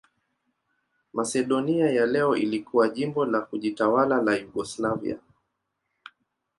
Masedonia ya leo ilikuwa jimbo la kujitawala la Yugoslavia.